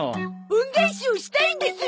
恩返しをしたいんです！